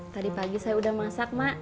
tadi pagi saya udah masak mak